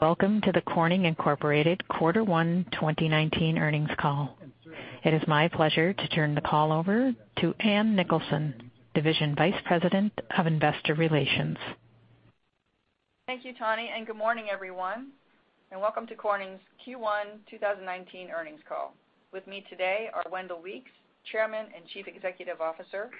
Welcome to the Corning Incorporated Quarter One 2019 earnings call. It is my pleasure to turn the call over to Ann Nicholson, Division Vice President of Investor Relations. Thank you, Tony, good morning, everyone, and welcome to Corning's Q1 2019 earnings call. With me today are Wendell Weeks, Chairman and Chief Executive Officer,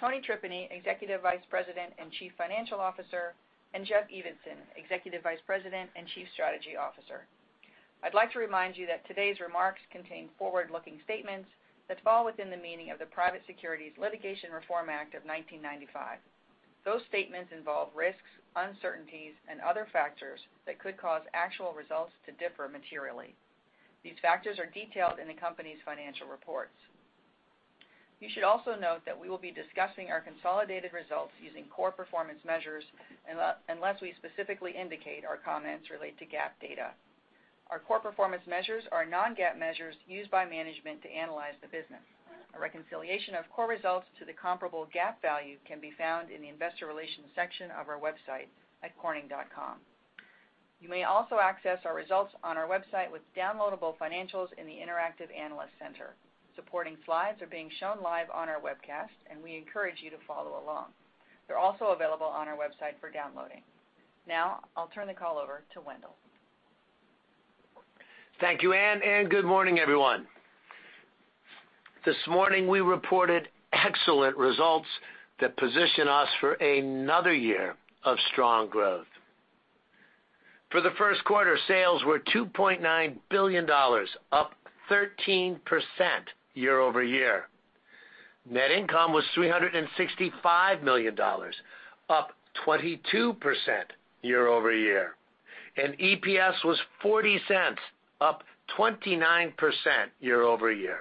Tony Tripeny, Executive Vice President and Chief Financial Officer, and Jeff Evenson, Executive Vice President and Chief Strategy Officer. I'd like to remind you that today's remarks contain forward-looking statements that fall within the meaning of the Private Securities Litigation Reform Act of 1995. Those statements involve risks, uncertainties, and other factors that could cause actual results to differ materially. These factors are detailed in the company's financial reports. You should also note that we will be discussing our consolidated results using core performance measures unless we specifically indicate our comments relate to GAAP data. Our core performance measures are non-GAAP measures used by management to analyze the business. A reconciliation of core results to the comparable GAAP value can be found in the investor relations section of our website at corning.com. You may also access our results on our website with downloadable financials in the interactive analyst center. Supporting slides are being shown live on our webcast, we encourage you to follow along. They're also available on our website for downloading. Now, I'll turn the call over to Wendell. Thank you, Ann, good morning, everyone. This morning, we reported excellent results that position us for another year of strong growth. For the first quarter, sales were $2.9 billion, up 13% year-over-year. Net income was $365 million, up 22% year-over-year, EPS was $0.40, up 29% year-over-year.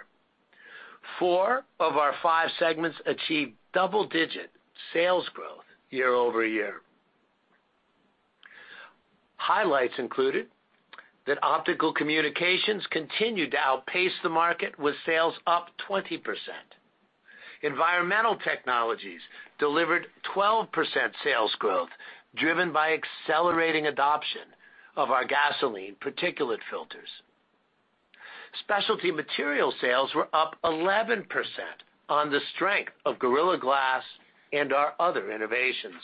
Four of our five segments achieved double-digit sales growth year-over-year. Highlights included that Optical Communications continued to outpace the market with sales up 20%. Environmental Technologies delivered 12% sales growth, driven by accelerating adoption of our gasoline particulate filters. Specialty Materials sales were up 11% on the strength of Gorilla Glass and our other innovations.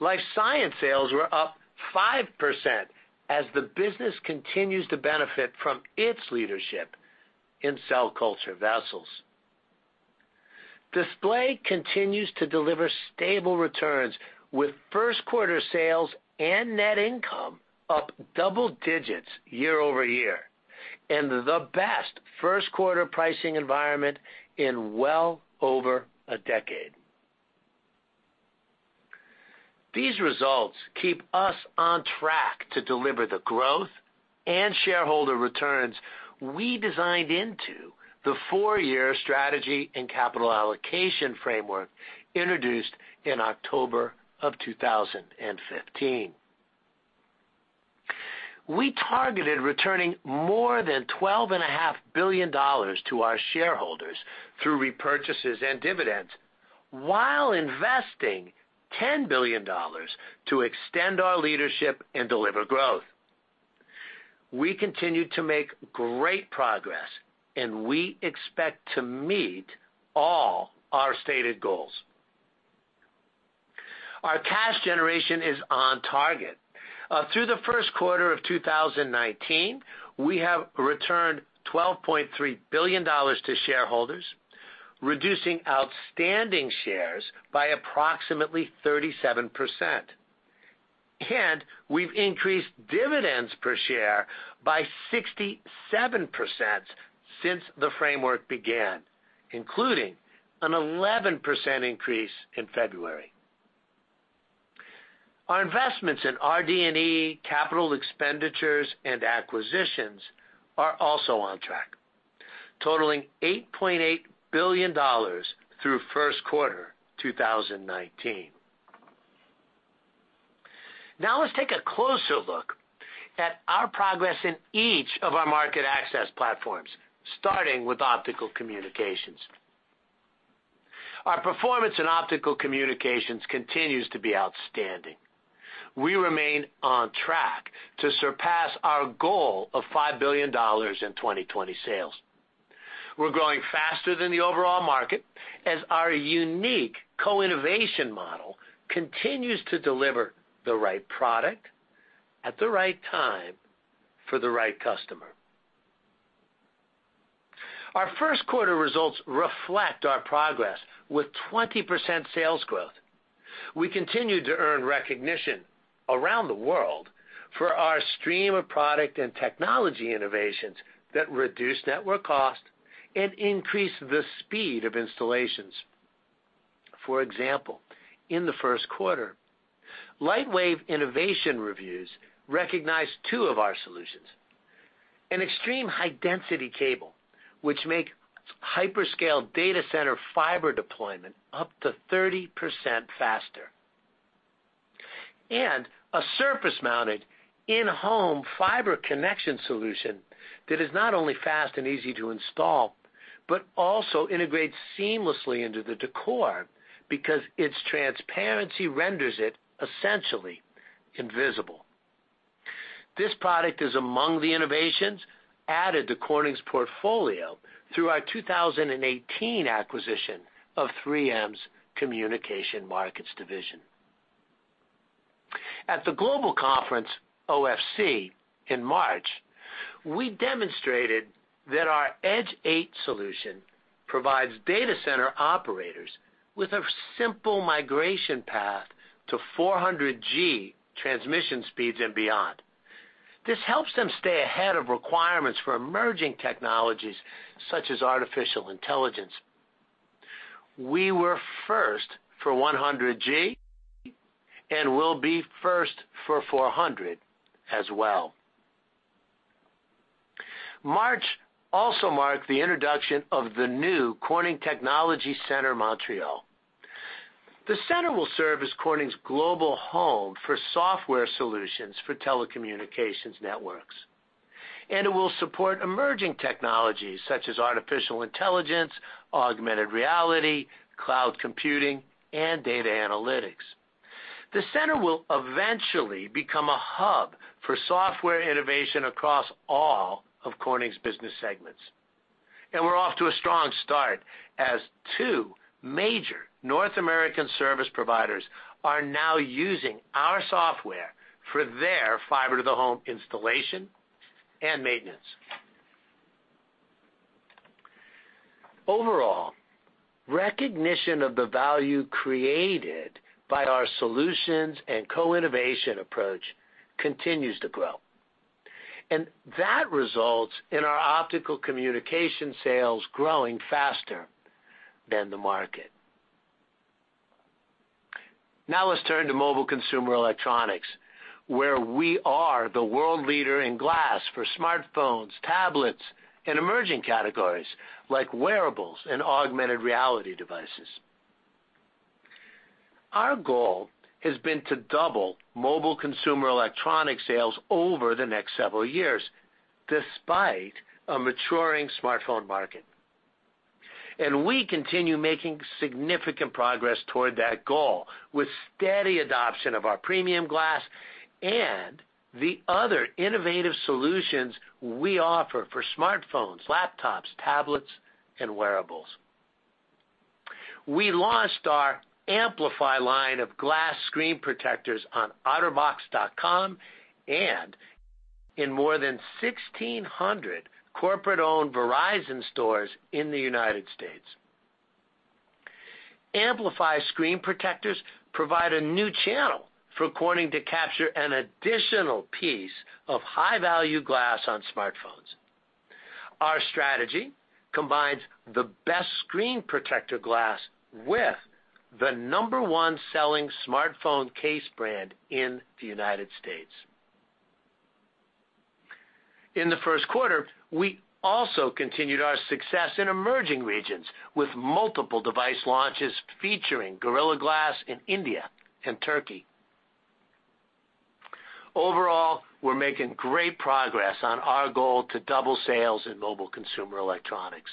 Life Sciences sales were up 5% as the business continues to benefit from its leadership in cell culture vessels. Display continues to deliver stable returns with first quarter sales and net income up double digits year-over-year, and the best first quarter pricing environment in well over a decade. These results keep us on track to deliver the growth and shareholder returns we designed into the four-year strategy and capital allocation framework introduced in October 2015. We targeted returning more than $12.5 billion to our shareholders through repurchases and dividends while investing $10 billion to extend our leadership and deliver growth. We continue to make great progress, and we expect to meet all our stated goals. Our cash generation is on target. Through the first quarter 2019, we have returned $12.3 billion to shareholders, reducing outstanding shares by approximately 37%, and we've increased dividends per share by 67% since the framework began, including an 11% increase in February. Our investments in RD&E, capital expenditures, and acquisitions are also on track, totaling $8.8 billion through first quarter 2019. Let's take a closer look at our progress in each of our market access platforms, starting with Optical Communications. Our performance in Optical Communications continues to be outstanding. We remain on track to surpass our goal of $5 billion in 2020 sales. We're growing faster than the overall market as our unique co-innovation model continues to deliver the right product at the right time for the right customer. Our first quarter results reflect our progress with 20% sales growth. We continue to earn recognition around the world for our stream of product and technology innovations that reduce network cost and increase the speed of installations. For example, in the first quarter, Lightwave innovation reviews recognized two of our solutions, an extreme high-density cable, which make hyperscale data center fiber deployment up to 30% faster, and a surface-mounted in-home fiber connection solution that is not only fast and easy to install, but also integrates seamlessly into the decor because its transparency renders it essentially invisible. This product is among the innovations added to Corning's portfolio through our 2018 acquisition of 3M's Communications Markets Division. At the global conference, OFC, in March, we demonstrated that our EDGE8 solution provides data center operators with a simple migration path to 400G transmission speeds and beyond. This helps them stay ahead of requirements for emerging technologies such as artificial intelligence. We were first for 100G, and we'll be first for 400G as well. March also marked the introduction of the new Corning Technology Center Montreal. The center will serve as Corning's global home for software solutions for telecommunications networks, it will support emerging technologies such as artificial intelligence, augmented reality, cloud computing, and data analytics. The center will eventually become a hub for software innovation across all of Corning's business segments. We're off to a strong start as two major North American service providers are now using our software for their fiber-to-the-home installation and maintenance. Overall, recognition of the value created by our solutions and co-innovation approach continues to grow, and that results in our Optical Communications sales growing faster than the market. Let's turn to mobile consumer electronics, where we are the world leader in glass for smartphones, tablets, and emerging categories like wearables and augmented reality devices. Our goal has been to double mobile consumer electronic sales over the next several years, despite a maturing smartphone market. We continue making significant progress toward that goal with steady adoption of our premium glass and the other innovative solutions we offer for smartphones, laptops, tablets, and wearables. We launched our Amplify line of glass screen protectors on otterbox.com and in more than 1,600 corporate-owned Verizon stores in the U.S. Amplify screen protectors provide a new channel for Corning to capture an additional piece of high-value glass on smartphones. Our strategy combines the best screen protector glass with the number one selling smartphone case brand in the U.S. In the first quarter, we also continued our success in emerging regions with multiple device launches featuring Gorilla Glass in India and Turkey. Overall, we're making great progress on our goal to double sales in mobile consumer electronics.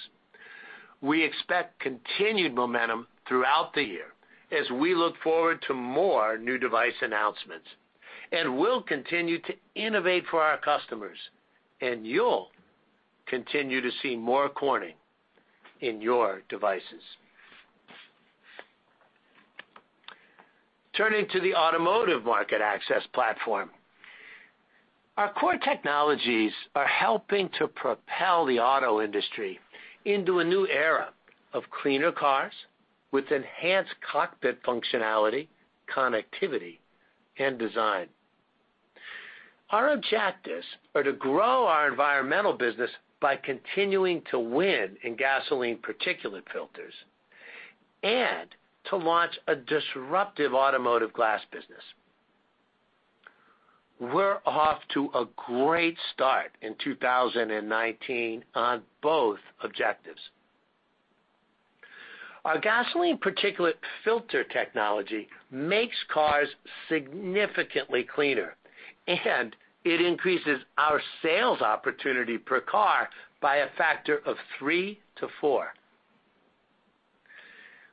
We expect continued momentum throughout the year as we look forward to more new device announcements. We'll continue to innovate for our customers, and you'll continue to see more Corning in your devices. Turning to the automotive market access platform. Our core technologies are helping to propel the auto industry into a new era of cleaner cars with enhanced cockpit functionality, connectivity, and design. Our objectives are to grow our environmental business by continuing to win in gasoline particulate filters and to launch a disruptive automotive glass business. We're off to a great start in 2019 on both objectives. Our gasoline particulate filter technology makes cars significantly cleaner, and it increases our sales opportunity per car by a factor of three to four.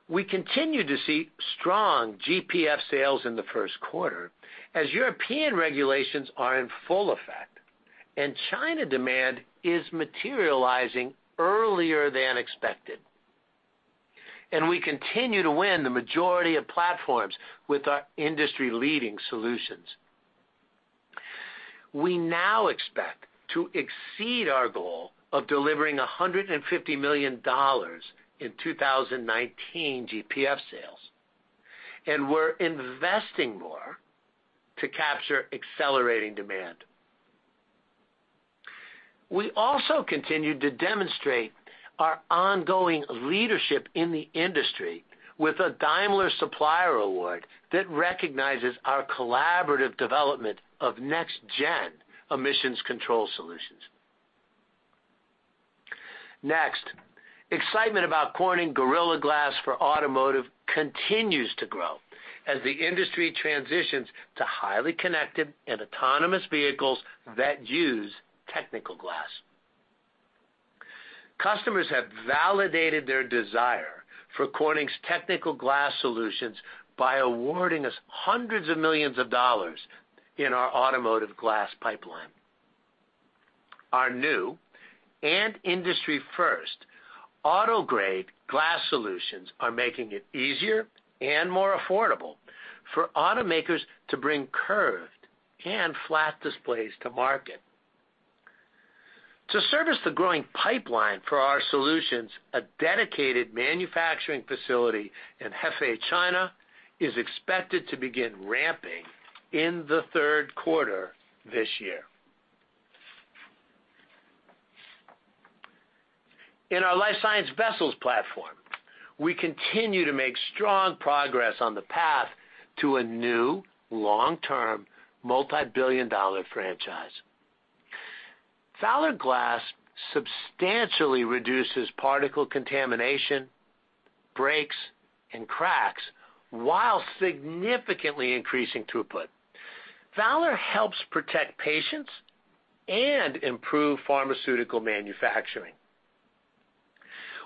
We continue to see strong GPF sales in the first quarter as European regulations are in full effect and China demand is materializing earlier than expected. We continue to win the majority of platforms with our industry-leading solutions. We now expect to exceed our goal of delivering $150 million in 2019 GPF sales, and we're investing more to capture accelerating demand. We also continued to demonstrate our ongoing leadership in the industry with a Daimler Supplier Award that recognizes our collaborative development of next-gen emissions control solutions. Next, excitement about Corning Gorilla Glass for Automotive continues to grow as the industry transitions to highly connected and autonomous vehicles that use technical glass. Customers have validated their desire for Corning's technical glass solutions by awarding us hundreds of millions of dollars in our automotive glass pipeline. Our new and industry-first AutoGrade Glass solutions are making it easier and more affordable for automakers to bring curved and flat displays to market. To service the growing pipeline for our solutions, a dedicated manufacturing facility in Hefei, China is expected to begin ramping in the third quarter this year. In our life science vessels platform, we continue to make strong progress on the path to a new long-term, multi-billion-dollar franchise. Valor Glass substantially reduces particle contamination, breaks, and cracks while significantly increasing throughput. Valor helps protect patients and improve pharmaceutical manufacturing.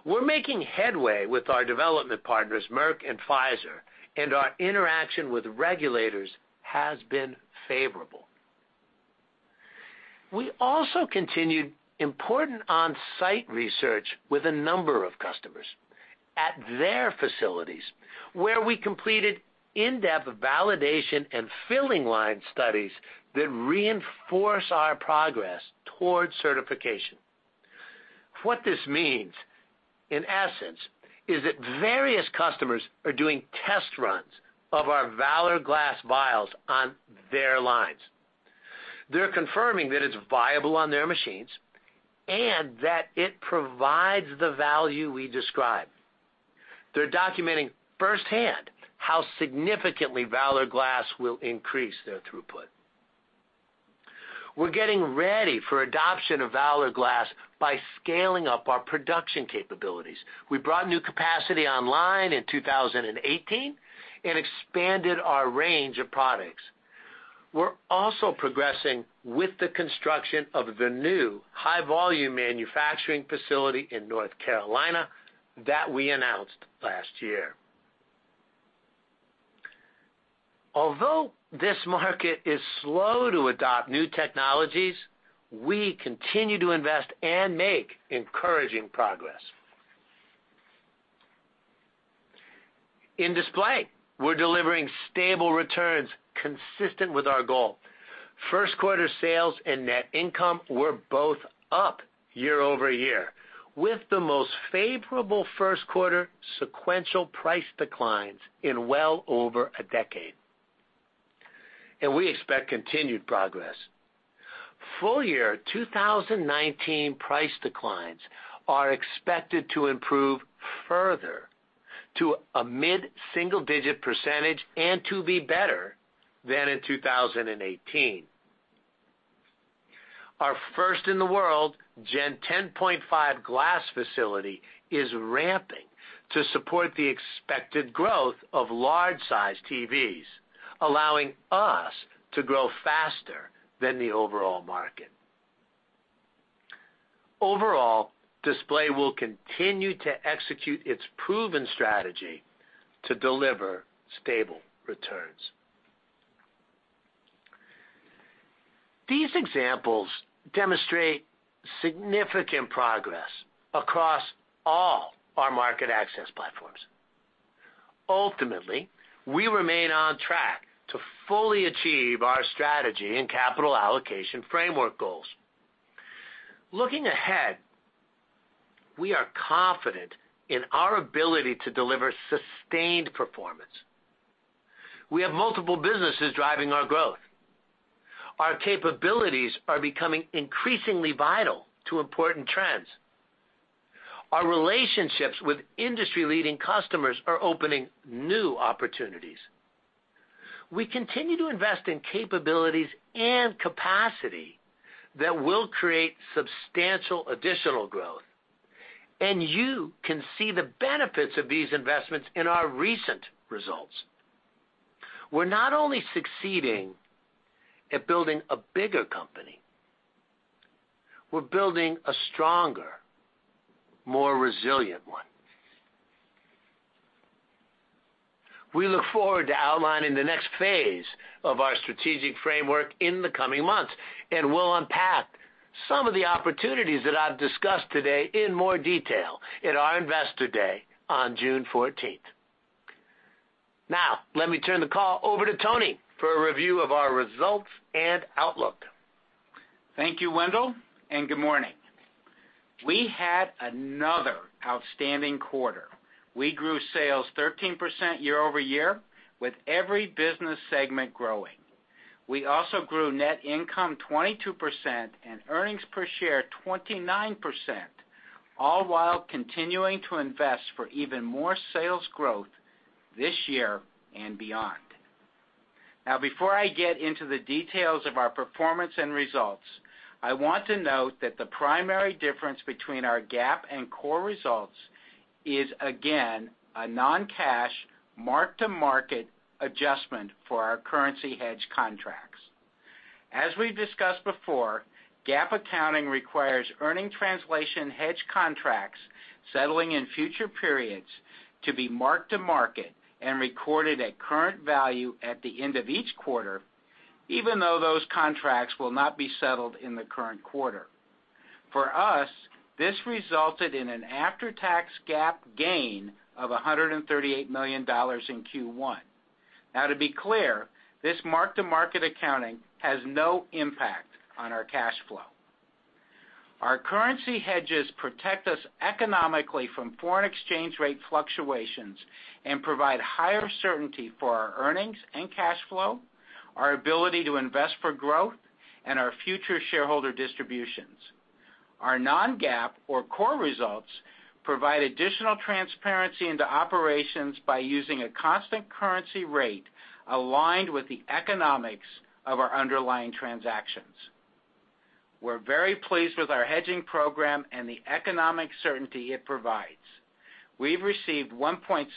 We're making headway with our development partners, Merck and Pfizer, and our interaction with regulators has been favorable. We also continued important on-site research with a number of customers at their facilities, where we completed in-depth validation and filling line studies that reinforce our progress towards certification. What this means, in essence, is that various customers are doing test runs of our Valor Glass vials on their lines. They're confirming that it's viable on their machines and that it provides the value we describe. They're documenting firsthand how significantly Valor Glass will increase their throughput. We're getting ready for adoption of Valor Glass by scaling up our production capabilities. We brought new capacity online in 2018 and expanded our range of products. We're also progressing with the construction of the new high-volume manufacturing facility in North Carolina that we announced last year. Although this market is slow to adopt new technologies, we continue to invest and make encouraging progress. In display, we're delivering stable returns consistent with our goal. First quarter sales and net income were both up year-over-year, with the most favorable first quarter sequential price declines in well over a decade. We expect continued progress. Full year 2019 price declines are expected to improve further to a mid-single-digit % and to be better than in 2018. Our first in the world Gen 10.5 glass facility is ramping to support the expected growth of large-size TVs, allowing us to grow faster than the overall market. Overall, Display will continue to execute its proven strategy to deliver stable returns. These examples demonstrate significant progress across all our market access platforms. Ultimately, we remain on track to fully achieve our strategy and capital allocation framework goals. Looking ahead, we are confident in our ability to deliver sustained performance. We have multiple businesses driving our growth. Our capabilities are becoming increasingly vital to important trends. Our relationships with industry-leading customers are opening new opportunities. We continue to invest in capabilities and capacity that will create substantial additional growth. You can see the benefits of these investments in our recent results. We're not only succeeding at building a bigger company, we're building a stronger, more resilient one. We look forward to outlining the next phase of our strategic framework in the coming months. We'll unpack some of the opportunities that I've discussed today in more detail at our Investor Day on June 14th. Now, let me turn the call over to Tony for a review of our results and outlook. Thank you, Wendell. Good morning. We had another outstanding quarter. We grew sales 13% year-over-year with every business segment growing. We also grew net income 22% and earnings per share 29%, all while continuing to invest for even more sales growth this year and beyond. Before I get into the details of our performance and results, I want to note that the primary difference between our GAAP and core results is, again, a non-cash mark-to-market adjustment for our currency hedge contracts. As we've discussed before, GAAP accounting requires earning translation hedge contracts settling in future periods to be mark-to-market and recorded at current value at the end of each quarter, even though those contracts will not be settled in the current quarter. For us, this resulted in an after-tax GAAP gain of $138 million in Q1. To be clear, this mark-to-market accounting has no impact on our cash flow. Our currency hedges protect us economically from foreign exchange rate fluctuations and provide higher certainty for our earnings and cash flow, our ability to invest for growth, and our future shareholder distributions. Our non-GAAP or core results provide additional transparency into operations by using a constant currency rate aligned with the economics of our underlying transactions. We're very pleased with our hedging program and the economic certainty it provides. We've received $1.7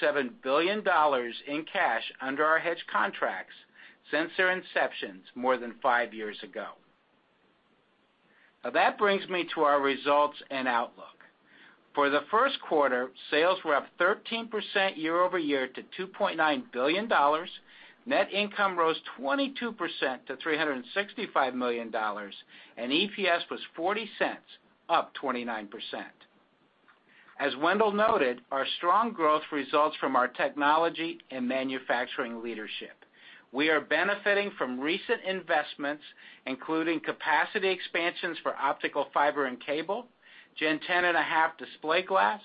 billion in cash under our hedge contracts since their inceptions more than five years ago. That brings me to our results and outlook. For the first quarter, sales were up 13% year-over-year to $2.9 billion, net income rose 22% to $365 million, and EPS was $0.40, up 29%. As Wendell noted, our strong growth results from our technology and manufacturing leadership. We are benefiting from recent investments, including capacity expansions for optical fiber and cable, Gen 10.5 display glass,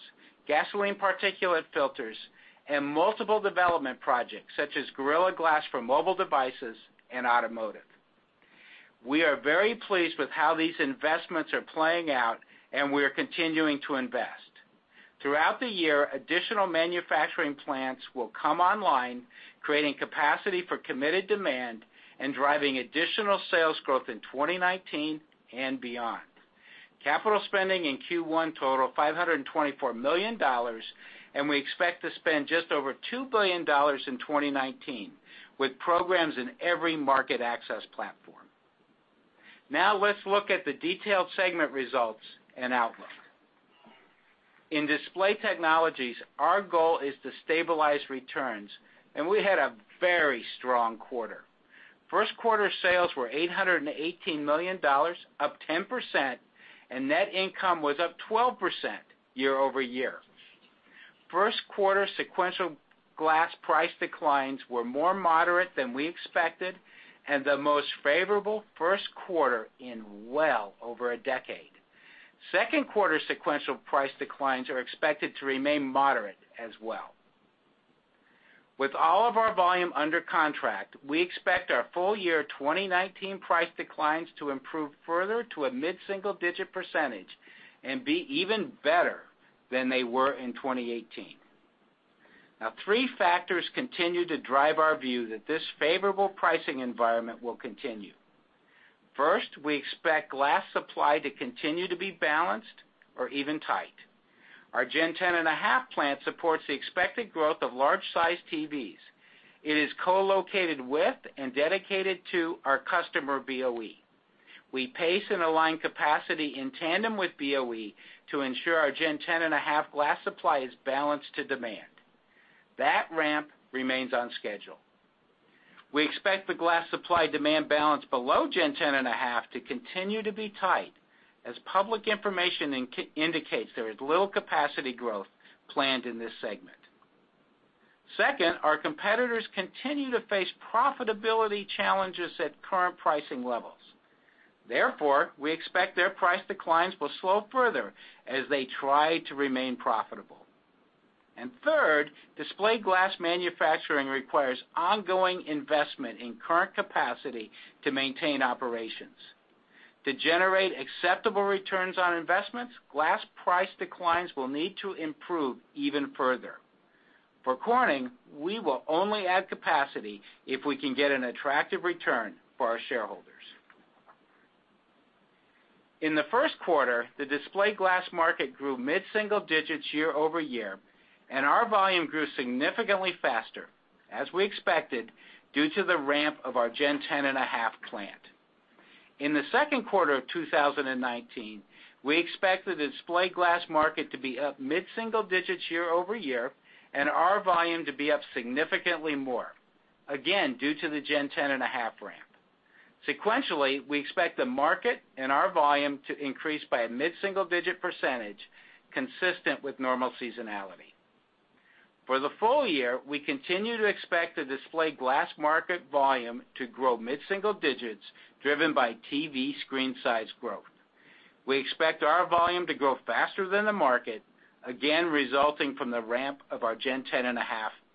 gasoline particulate filters, and multiple development projects such as Gorilla Glass for mobile devices and automotive. We are very pleased with how these investments are playing out, and we are continuing to invest. Throughout the year, additional manufacturing plants will come online, creating capacity for committed demand and driving additional sales growth in 2019 and beyond. Capital spending in Q1 totaled $524 million, and we expect to spend just over $2 billion in 2019, with programs in every market access platform. Let's look at the detailed segment results and outlook. In Display Technologies, our goal is to stabilize returns, and we had a very strong quarter. First quarter sales were $818 million, up 10%, and net income was up 12% year-over-year. First quarter sequential glass price declines were more moderate than we expected and the most favorable first quarter in well over a decade. Second quarter sequential price declines are expected to remain moderate as well. With all of our volume under contract, we expect our full year 2019 price declines to improve further to a mid-single digit percentage and be even better than they were in 2018. Three factors continue to drive our view that this favorable pricing environment will continue. First, we expect glass supply to continue to be balanced or even tight. Our Gen 10.5 plant supports the expected growth of large-sized TVs. It is co-located with and dedicated to our customer, BOE. We pace and align capacity in tandem with BOE to ensure our Gen 10.5 glass supply is balanced to demand. That ramp remains on schedule. We expect the glass supply-demand balance below Gen 10.5 to continue to be tight, as public information indicates there is little capacity growth planned in this segment. Second, our competitors continue to face profitability challenges at current pricing levels. Therefore, we expect their price declines will slow further as they try to remain profitable. Third, display glass manufacturing requires ongoing investment in current capacity to maintain operations. To generate acceptable returns on investments, glass price declines will need to improve even further. For Corning, we will only add capacity if we can get an attractive return for our shareholders. In the first quarter, the display glass market grew mid-single digits year-over-year, and our volume grew significantly faster, as we expected, due to the ramp of our Gen 10.5 plant. In the second quarter of 2019, we expect the display glass market to be up mid-single digits year-over-year and our volume to be up significantly more. Again, due to the Gen 10.5 ramp. Sequentially, we expect the market and our volume to increase by a mid-single digit percentage consistent with normal seasonality. For the full year, we continue to expect the display glass market volume to grow mid-single digits, driven by TV screen size growth. We expect our volume to grow faster than the market, again, resulting from the ramp of our Gen 10.5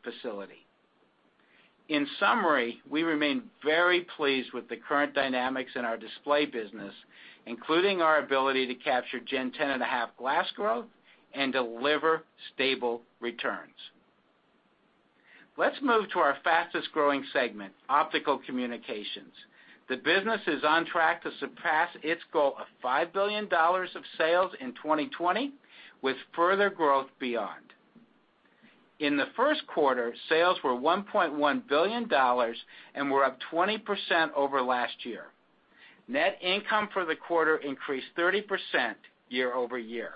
facility. In summary, we remain very pleased with the current dynamics in our display business, including our ability to capture Gen 10.5 glass growth and deliver stable returns. Let's move to our fastest-growing segment, Optical Communications. The business is on track to surpass its goal of $5 billion of sales in 2020, with further growth beyond. In the first quarter, sales were $1.1 billion and were up 20% over last year. Net income for the quarter increased 30% year-over-year.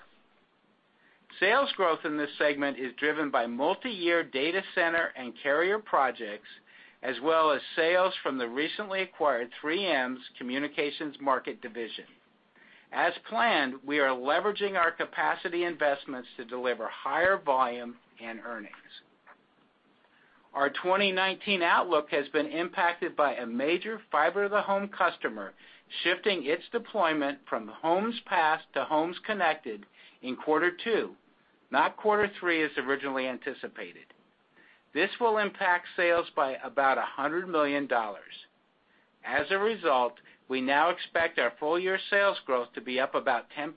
Sales growth in this segment is driven by multi-year data center and carrier projects, as well as sales from the recently acquired 3M's Communications Market Division. As planned, we are leveraging our capacity investments to deliver higher volume and earnings. Our 2019 outlook has been impacted by a major fiber-to-the-home customer shifting its deployment from homes passed to homes connected in quarter two, not quarter three, as originally anticipated. This will impact sales by about $100 million. As a result, we now expect our full-year sales growth to be up about 10%,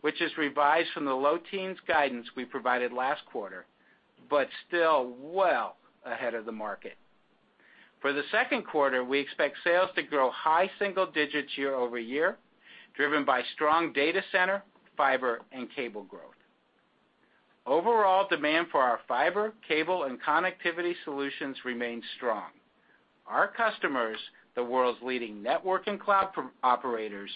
which is revised from the low teens guidance we provided last quarter, but still well ahead of the market. For the second quarter, we expect sales to grow high single digits year-over-year, driven by strong data center, fiber, and cable growth. Overall demand for our fiber, cable, and connectivity solutions remains strong. Our customers, the world's leading network and cloud operators,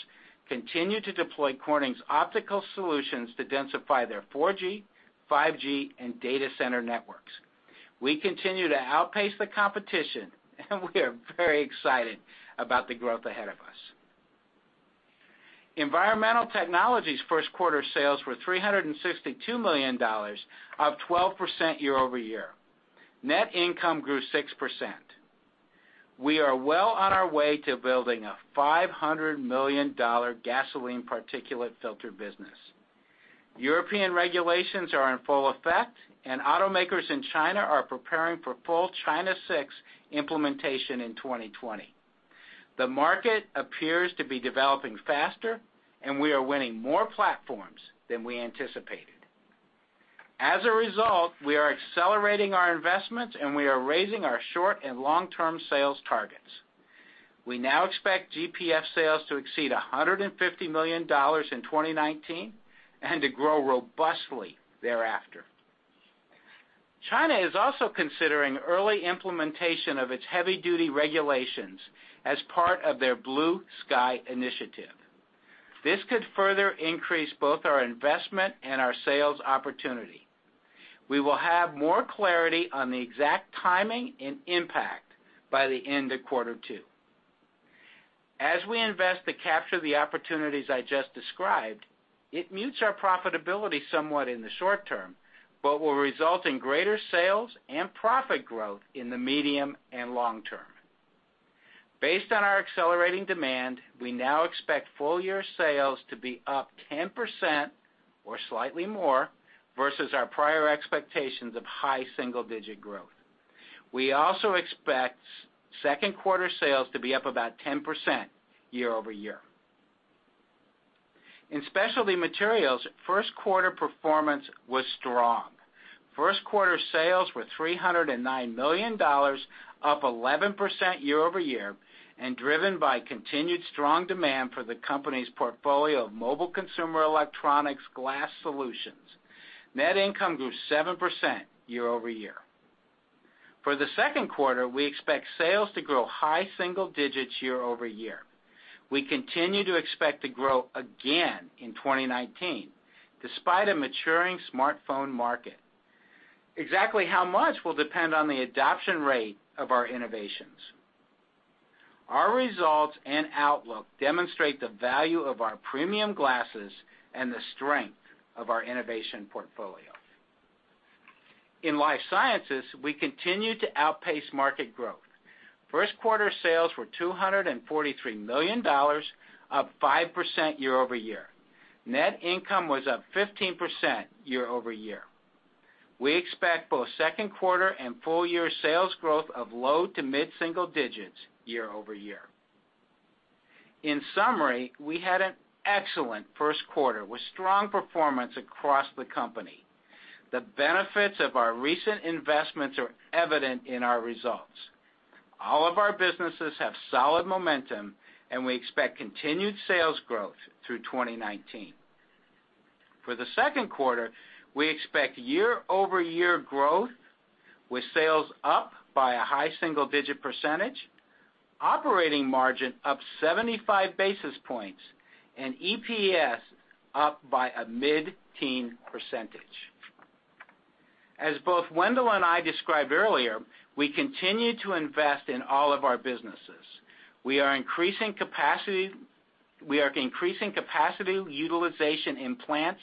continue to deploy Corning's optical solutions to densify their 4G, 5G, and data center networks. We continue to outpace the competition, and we are very excited about the growth ahead of us. Environmental Technologies first quarter sales were $362 million, up 12% year-over-year. Net income grew 6%. We are well on our way to building a $500 million gasoline particulate filter business. European regulations are in full effect, and automakers in China are preparing for full China 6 implementation in 2020. The market appears to be developing faster, and we are winning more platforms than we anticipated. As a result, we are accelerating our investments, and we are raising our short and long-term sales targets. We now expect GPF sales to exceed $150 million in 2019 and to grow robustly thereafter. China is also considering early implementation of its heavy-duty regulations as part of their Blue Sky plan. This could further increase both our investment and our sales opportunity. We will have more clarity on the exact timing and impact by the end of quarter two. As we invest to capture the opportunities I just described, it mutes our profitability somewhat in the short term, but will result in greater sales and profit growth in the medium and long term. Based on our accelerating demand, we now expect full-year sales to be up 10% or slightly more versus our prior expectations of high single-digit growth. We also expect second quarter sales to be up about 10% year-over-year. In Specialty Materials, first quarter performance was strong. First quarter sales were $309 million, up 11% year-over-year, and driven by continued strong demand for the company's portfolio of mobile consumer electronics glass solutions. Net income grew 7% year-over-year. For the second quarter, we expect sales to grow high single digits year-over-year. We continue to expect to grow again in 2019, despite a maturing smartphone market. Exactly how much will depend on the adoption rate of our innovations. Our results and outlook demonstrate the value of our premium glasses and the strength of our innovation portfolio. In Life Sciences, we continue to outpace market growth. First quarter sales were $243 million, up 5% year-over-year. Net income was up 15% year-over-year. We expect both second quarter and full-year sales growth of low to mid-single digits year-over-year. In summary, we had an excellent first quarter with strong performance across the company. The benefits of our recent investments are evident in our results. All of our businesses have solid momentum. We expect continued sales growth through 2019. For the second quarter, we expect year-over-year growth, with sales up by a high single-digit percentage, operating margin up 75 basis points, and EPS up by a mid-teen percentage. As both Wendell and I described earlier, we continue to invest in all of our businesses. We are increasing capacity utilization in plants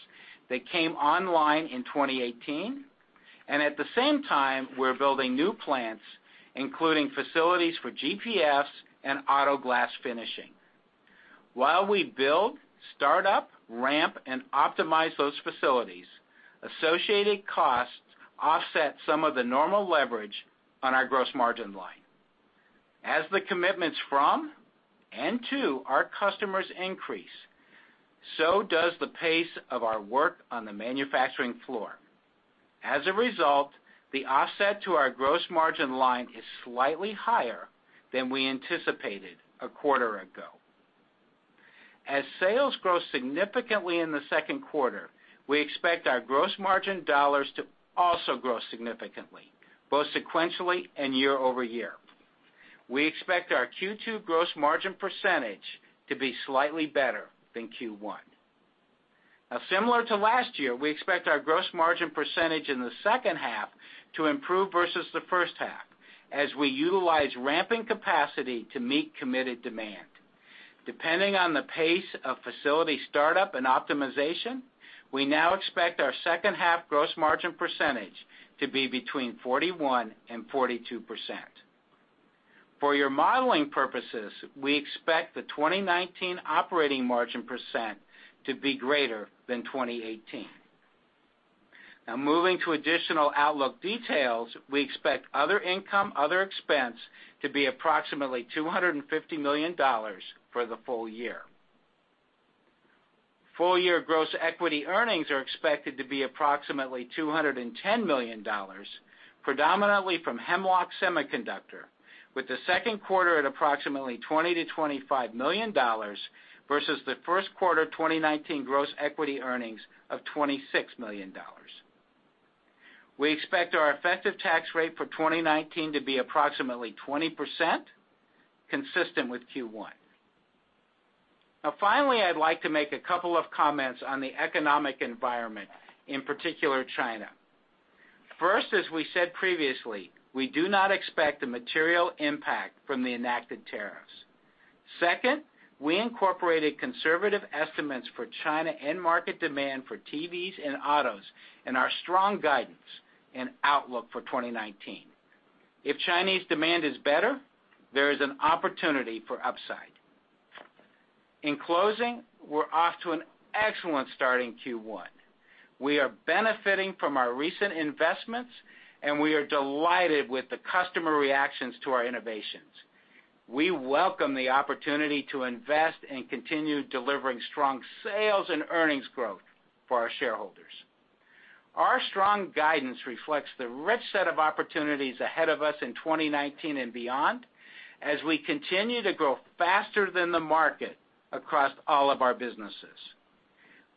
that came online in 2018. At the same time, we're building new plants, including facilities for GPFs and auto glass finishing. While we build, start up, ramp, and optimize those facilities, associated costs offset some of the normal leverage on our gross margin line. As the commitments from and to our customers increase, so does the pace of our work on the manufacturing floor. As a result, the offset to our gross margin line is slightly higher than we anticipated a quarter ago. As sales grow significantly in the second quarter, we expect our gross margin dollars to also grow significantly, both sequentially and year-over-year. We expect our Q2 gross margin percentage to be slightly better than Q1. Similar to last year, we expect our gross margin percentage in the second half to improve versus the first half as we utilize ramping capacity to meet committed demand. Depending on the pace of facility startup and optimization, we now expect our second half gross margin percentage to be between 41% and 42%. For your modeling purposes, we expect the 2019 operating margin percent to be greater than 2018. Moving to additional outlook details, we expect other income, other expense to be approximately $250 million for the full year. Full year gross equity earnings are expected to be approximately $210 million, predominantly from Hemlock Semiconductor, with the second quarter at approximately $20 million-$25 million versus the first quarter 2019 gross equity earnings of $26 million. We expect our effective tax rate for 2019 to be approximately 20%, consistent with Q1. Finally, I'd like to make a couple of comments on the economic environment, in particular China. First, as we said previously, we do not expect a material impact from the enacted tariffs. Second, we incorporated conservative estimates for China end market demand for TVs and autos in our strong guidance and outlook for 2019. If Chinese demand is better, there is an opportunity for upside. In closing, we are off to an excellent start in Q1. We are benefiting from our recent investments, and we are delighted with the customer reactions to our innovations. We welcome the opportunity to invest and continue delivering strong sales and earnings growth for our shareholders. Our strong guidance reflects the rich set of opportunities ahead of us in 2019 and beyond, as we continue to grow faster than the market across all of our businesses.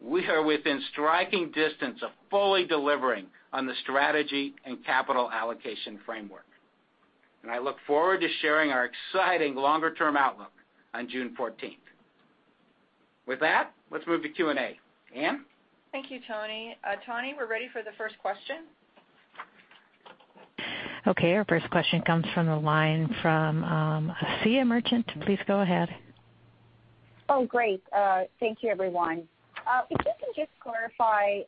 We are within striking distance of fully delivering on the strategy and capital allocation framework. I look forward to sharing our exciting longer-term outlook on June 14th. With that, let's move to Q&A. Ann? Thank you, Tony. Tony, we are ready for the first question. Okay, our first question comes from the line from Asiya Merchant. Please go ahead. Oh, great. Thank you, everyone. If you can just clarify,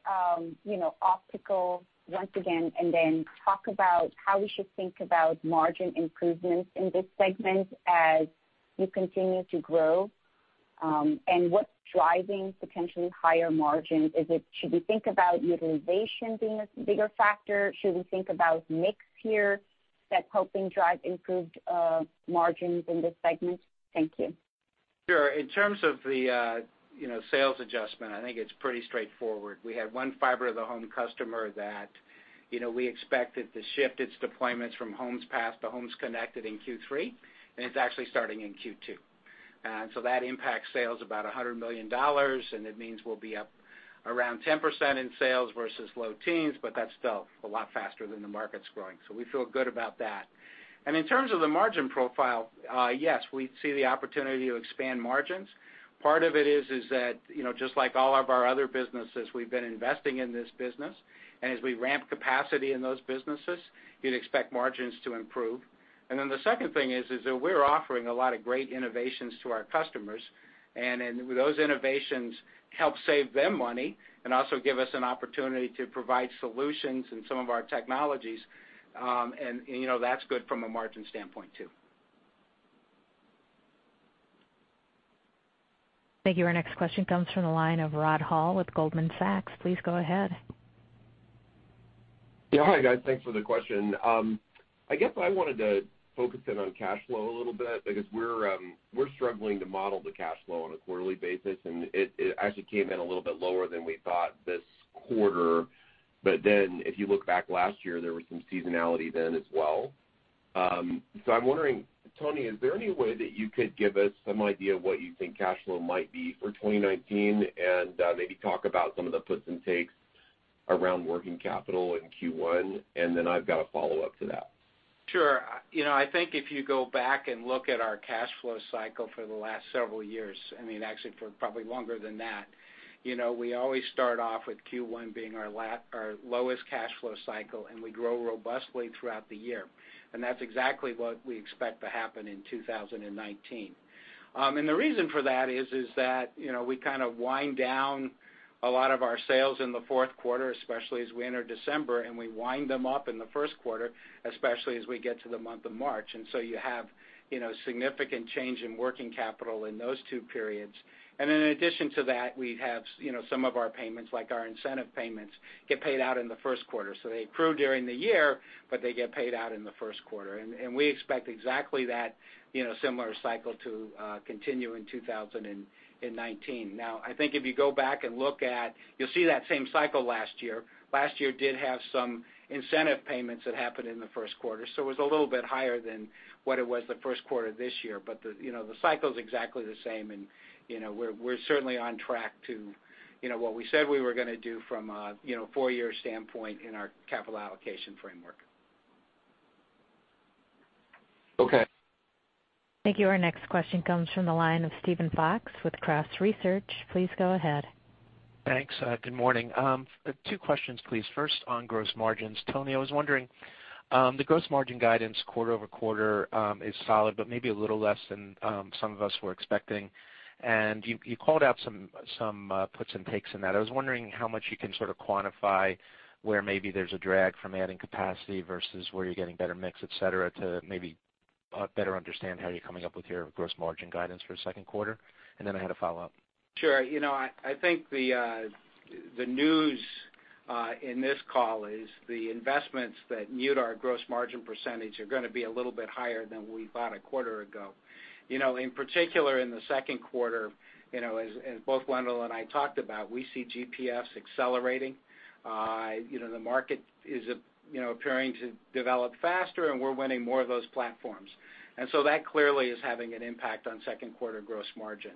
Optical once again, then talk about how we should think about margin improvements in this segment as you continue to grow. What is driving potentially higher margins? Should we think about utilization being a bigger factor? Should we think about mix here that is helping drive improved margins in this segment? Thank you. Sure. In terms of the sales adjustment, I think it's pretty straightforward. We had one fiber to the home customer that we expected to shift its deployments from homes passed to homes connected in Q3, it's actually starting in Q2. That impacts sales about $100 million, it means we'll be up around 10% in sales versus low teens, that's still a lot faster than the market's growing. We feel good about that. In terms of the margin profile, yes, we see the opportunity to expand margins. Part of it is that just like all of our other businesses, we've been investing in this business. As we ramp capacity in those businesses, you'd expect margins to improve. The second thing is that we're offering a lot of great innovations to our customers, those innovations help save them money and also give us an opportunity to provide solutions in some of our technologies, that's good from a margin standpoint, too. Thank you. Our next question comes from the line of Rod Hall with Goldman Sachs. Please go ahead. Yeah. Hi, guys. Thanks for the question. I guess I wanted to focus in on cash flow a little bit because we're struggling to model the cash flow on a quarterly basis, it actually came in a little bit lower than we thought this quarter. If you look back last year, there was some seasonality then as well. I'm wondering, Tony, is there any way that you could give us some idea of what you think cash flow might be for 2019 and maybe talk about some of the puts and takes around working capital in Q1? I've got a follow-up to that. Sure. I think if you go back and look at our cash flow cycle for the last several years, actually for probably longer than that, we always start off with Q1 being our lowest cash flow cycle, and we grow robustly throughout the year. That's exactly what we expect to happen in 2019. The reason for that is that we kind of wind down a lot of our sales in the fourth quarter, especially as we enter December, and we wind them up in the first quarter, especially as we get to the month of March. You have significant change in working capital in those two periods. In addition to that, we have some of our payments, like our incentive payments, get paid out in the first quarter. They accrue during the year, but they get paid out in the first quarter. We expect exactly that similar cycle to continue in 2019. Now, I think if you go back and look at, you'll see that same cycle last year. Last year did have some incentive payments that happened in the first quarter, so it was a little bit higher than what it was the first quarter this year. The cycle's exactly the same, and we're certainly on track to what we said we were going to do from a full year standpoint in our capital allocation framework. Okay. Thank you. Our next question comes from the line of Steven Fox with Cross Research. Please go ahead. Thanks. Good morning. Two questions, please. First, on gross margins. Tony, I was wondering, the gross margin guidance quarter-over-quarter, is solid, but maybe a little less than some of us were expecting. You called out some puts and takes in that. I was wondering how much you can sort of quantify where maybe there's a drag from adding capacity versus where you're getting better mix, et cetera, to maybe better understand how you're coming up with your gross margin guidance for the second quarter. Then I had a follow-up. Sure. I think the news in this call is the investments that mute our gross margin percentage are going to be a little bit higher than we thought a quarter ago. In particular, in the second quarter, as both Wendell and I talked about, we see GPFs accelerating. The market is appearing to develop faster, and we're winning more of those platforms. That clearly is having an impact on second quarter gross margin.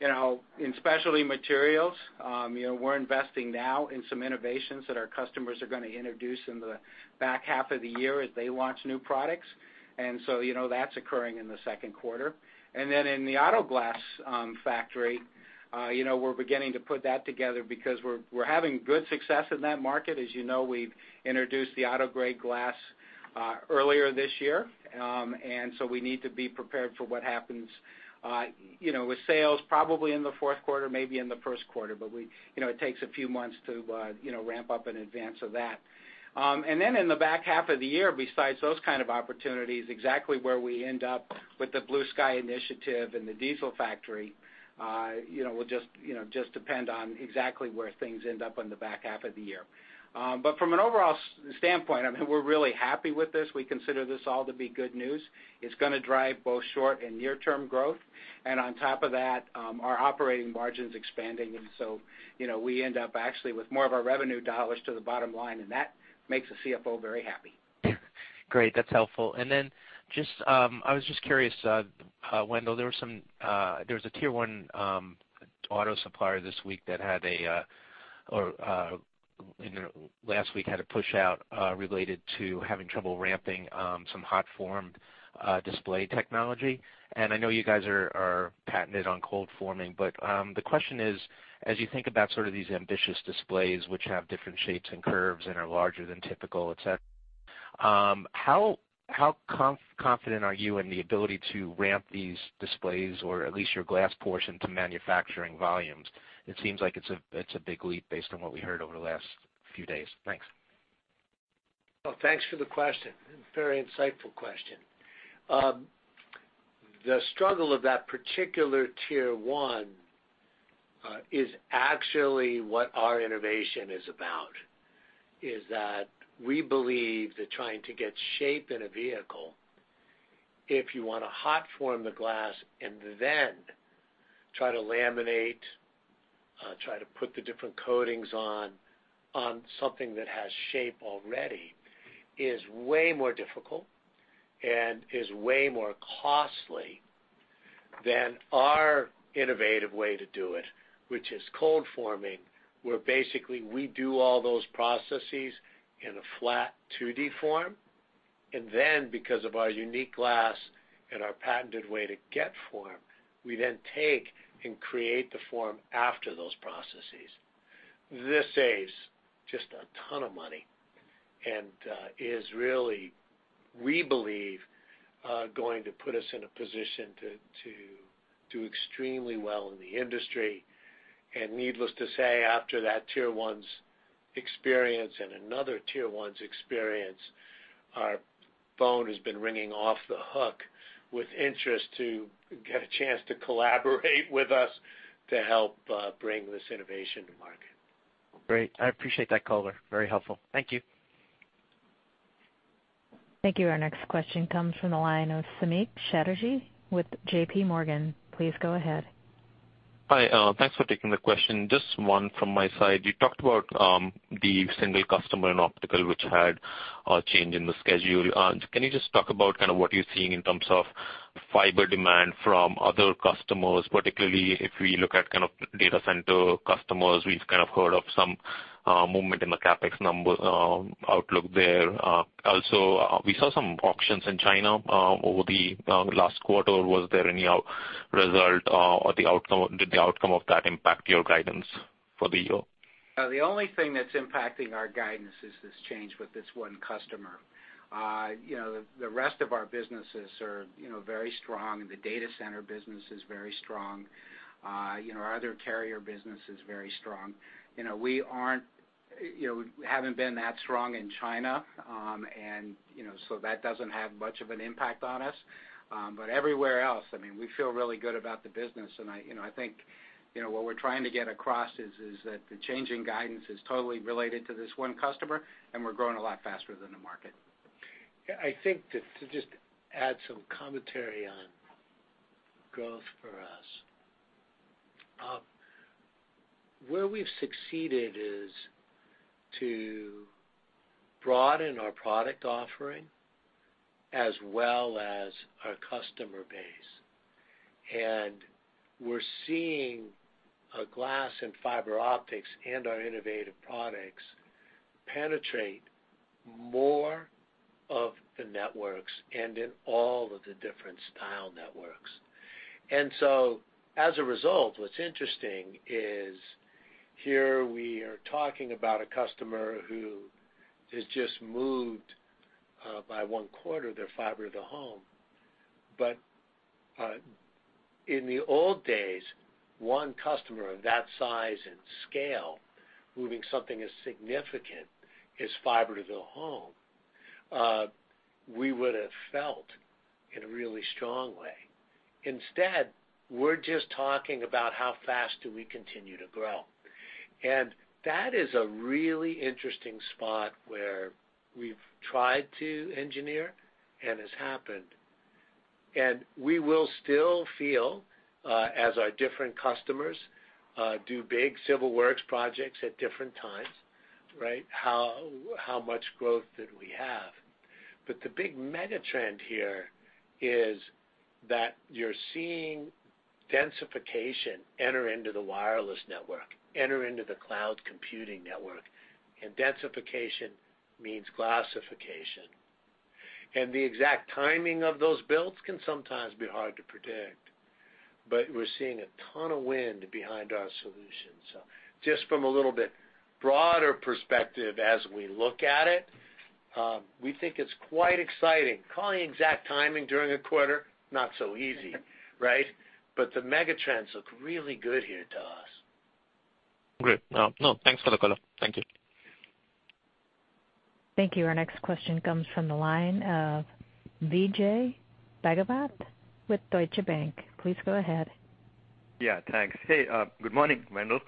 In Specialty Materials, we're investing now in some innovations that our customers are going to introduce in the back half of the year as they launch new products. That's occurring in the second quarter. In the auto glass factory, we're beginning to put that together because we're having good success in that market. As you know, we've introduced the AutoGrade Glass earlier this year. We need to be prepared for what happens with sales probably in the fourth quarter, maybe in the first quarter. It takes a few months to ramp up in advance of that. In the back half of the year, besides those kind of opportunities, exactly where we end up with the Blue Sky plan and the diesel factory, will just depend on exactly where things end up in the back half of the year. From an overall standpoint, we're really happy with this. We consider this all to be good news. It's going to drive both short and near-term growth. On top of that, our operating margin's expanding. So, we end up actually with more of our revenue dollars to the bottom line, and that makes a CFO very happy. Great. That's helpful. I was just curious, Wendell, there was a tier 1 auto supplier this week that last week had a push-out related to having trouble ramping some hot form display technology. I know you guys are patented on cold forming. The question is: as you think about these ambitious displays, which have different shapes and curves and are larger than typical, et cetera, how confident are you in the ability to ramp these displays or at least your glass portion to manufacturing volumes? It seems like it's a big leap based on what we heard over the last few days. Thanks. Well, thanks for the question. Very insightful question. The struggle of that particular tier 1 is actually what our innovation is about, is that we believe that trying to get shape in a vehicle, if you want to hot form the glass and then try to laminate, try to put the different coatings on something that has shape already is way more difficult and is way more costly than our innovative way to do it, which is cold forming, where basically we do all those processes in a flat 2D form. Because of our unique glass and our patented way to get form, we then take and create the form after those processes. This saves just a ton of money and is really, we believe, going to put us in a position to do extremely well in the industry. Needless to say, after that tier 1's experience and another tier 1's experience, our phone has been ringing off the hook with interest to get a chance to collaborate with us to help bring this innovation to market. Great. I appreciate that color. Very helpful. Thank you. Thank you. Our next question comes from the line of Samik Chatterjee with JPMorgan. Please go ahead. Hi, thanks for taking the question. Just one from my side. You talked about the single customer in optical which had a change in the schedule. Can you just talk about what you're seeing in terms of fiber demand from other customers? Particularly if we look at data center customers, we've heard of some movement in the CapEx number outlook there. Also, we saw some auctions in China over the last quarter. Was there any result or did the outcome of that impact your guidance for the year? The only thing that's impacting our guidance is this change with this one customer. The rest of our businesses are very strong. The data center business is very strong. Our other carrier business is very strong. We haven't been that strong in China, that doesn't have much of an impact on us. Everywhere else, we feel really good about the business, and I think what we're trying to get across is that the change in guidance is totally related to this one customer, and we're growing a lot faster than the market. I think to just add some commentary on growth for us. Where we've succeeded is to broaden our product offering as well as our customer base. We're seeing glass and fiber optics and our innovative products penetrate more of the networks and in all of the different style networks. As a result, what's interesting is here we are talking about a customer who has just moved by one quarter their fiber to the home. In the old days, one customer of that size and scale, moving something as significant as fiber to the home, we would've felt in a really strong way. Instead, we're just talking about how fast do we continue to grow. That is a really interesting spot where we've tried to engineer and has happened. We will still feel, as our different customers do big civil works projects at different times, right, how much growth did we have. The big mega-trend here is that you're seeing densification enter into the wireless network, enter into the cloud computing network. Densification means glassification. The exact timing of those builds can sometimes be hard to predict, but we're seeing a ton of wind behind our solutions. Just from a little bit broader perspective as we look at it, we think it's quite exciting. Calling exact timing during a quarter, not so easy, right? The mega trends look really good here to us. Great. No, thanks for the call. Thank you. Thank you. Our next question comes from the line of Vijay Rakesh with Deutsche Bank. Please go ahead. Yeah, thanks. Hey, good morning, Wendell.